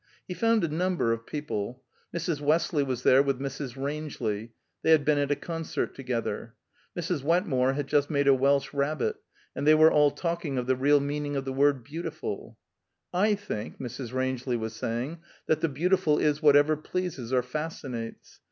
He found a number of people. Mrs. Westley was there with Mrs. Rangeley; they had been at a concert together. Mrs. Wetmore had just made a Welsh rabbit, and they were all talking of the real meaning of the word "beautiful." "I think," Mrs. Rangeley was saying, "that the beautiful is whatever pleases or fascinates.